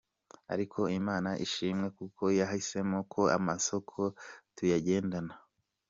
Ariko, Imana ishimwe kuko yahisemo ko amasōko tuyagendana.